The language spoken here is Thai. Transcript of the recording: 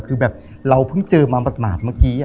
คือแบบเราเพิ่งเจอมาหมาดเมื่อกี้